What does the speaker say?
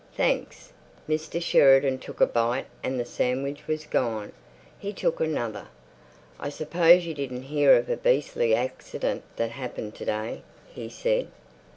"Thanks." Mr. Sheridan took a bite and the sandwich was gone. He took another. "I suppose you didn't hear of a beastly accident that happened to day?" he said.